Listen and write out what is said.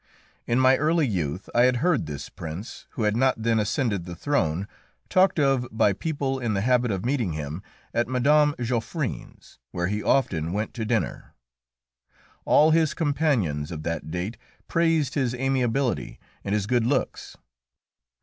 In my early youth I had heard this prince, who had not then ascended the throne, talked of by people in the habit of meeting him at Mme. Geoffrin's, where he often went to dinner. All his companions of that date praised his amiability and his good looks.